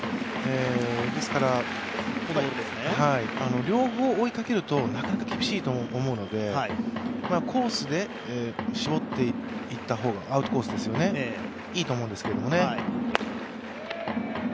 ですから両方追いかけるとなかなか厳しいと思うのでアウトコースで絞っていった方がいいと思うんですけどね。